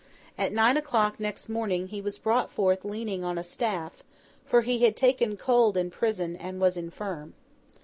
At nine o'clock next morning, he was brought forth leaning on a staff; for he had taken cold in prison, and was infirm.